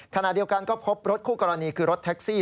ขณะเดียวกันก็พบรถคู่กรณีคือรถแท็กซี่